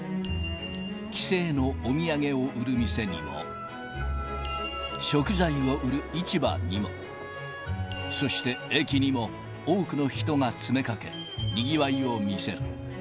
帰省のお土産を売る店にも、食材を売る市場にも、そして駅にも、多くの人が詰めかけ、にぎわいを見せる。